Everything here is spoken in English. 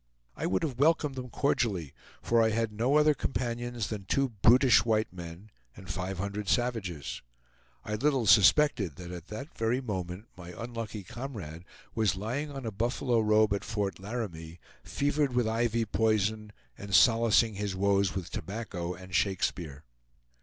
I would have welcomed them cordially, for I had no other companions than two brutish white men and five hundred savages. I little suspected that at that very moment my unlucky comrade was lying on a buffalo robe at Fort Laramie, fevered with ivy poison, and solacing his woes with tobacco and Shakespeare.